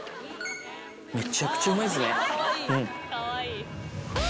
めちゃくちゃうまいっすね。